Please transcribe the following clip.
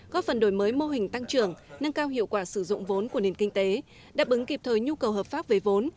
góp phần đổi mới mô hình tăng trưởng nâng cao hiệu quả sử dụng vốn của nền kinh tế đáp ứng kịp thời nhu cầu hợp pháp về vốn